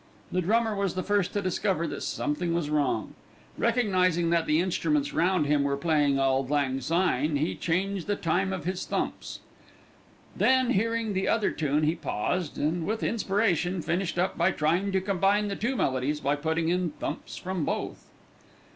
The drummer was the first to discover that something was wrong. Recognising that the instruments round him were playing "Auld Lang Syne" he changed the time of his thumps. Then hearing the other tune, he paused and with inspiration finished up by trying to combine the two melodies by putting in thumps from both.